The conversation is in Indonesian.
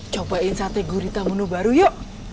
cobain satu gurita menu baru yuk